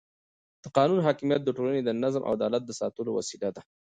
د قانون حاکمیت د ټولنې د نظم او عدالت د ساتلو وسیله ده